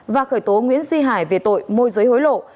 và khởi tố nguyễn duy hải về tội môi giới hối lộ